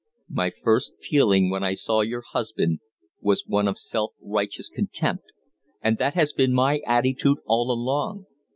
My first feeling when I saw your husband was one of self righteous contempt, and that has been my attitude all along.